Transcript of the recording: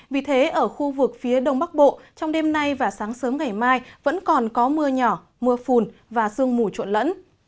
vì thế ở khu vực phía đông bắc bộ trong đêm nay và sáng sớm ngày mai vẫn còn có mưa nhỏ mưa phùn và sương mù trộn lẫn